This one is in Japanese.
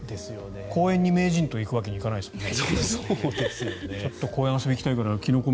公園に名人と行くわけにはいかないですもんね。